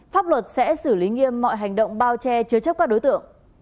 pháp luật sẽ xử lý nghiêm mọi hành động bao che chứa chấp các đối tượng